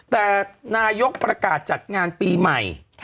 แต่นายกประกาศจัดงานปีใหม่